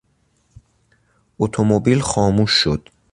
اتومبیل خاموش شد.